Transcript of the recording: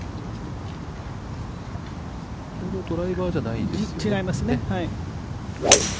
ドライバーじゃないですね。